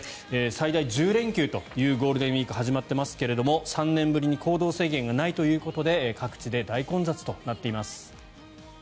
最大１０連休というゴールデンウィーク始まっていますけれど３年ぶりに行動制限がないということで各地で大混雑となっています。